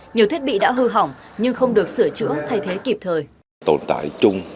nhiều thiết bị đã hư hỏng nhưng không được sửa chữa thay thế kịp thời